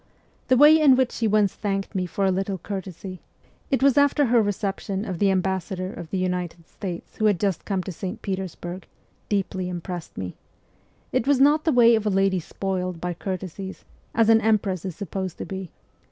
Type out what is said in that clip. The way in which she once thanked me for a little courtesy (it was after her reception of the ambassador of the United States, who had just come to St. Petersburg) deeply impressed me : it was not the way of a lady spoiled by courtesies, as an empress is supposed to be.